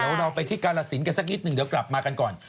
เดี๋ยวเราไปที่กาลสินกันสักนิดหนึ่งเดี๋ยวกลับมากันก่อน